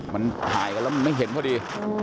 มันถ่ายกันแล้วมันไม่เห็นพอดี